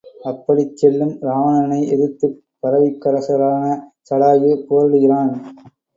அப்படிச் செல்லும் ராவணனை எதிர்த்துப் பறவைக்கரசனான சடாயு போரிடுகிறான்.